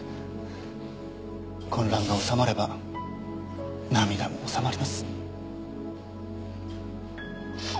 混乱が収まれば涙も収まります。